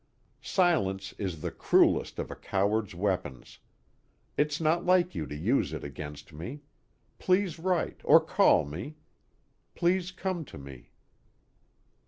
"Silence is the cruelest of a coward's weapons. It's not like you to use it against me. Please write, or call me. Please come to me.